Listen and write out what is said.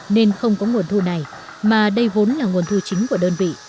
nên không có nguồn thu này mà đây vốn là nguồn thu chính của đơn vị